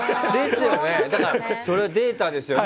だからそれはデータですよね。